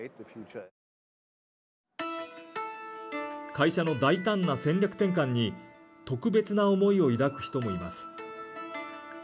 会社の大胆な戦略転換に特別な思いを抱く人もいます。